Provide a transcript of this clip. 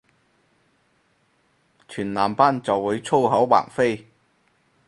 全男班就會粗口橫飛